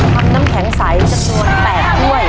น้ำแข็งใสจำนวน๘ถ้วย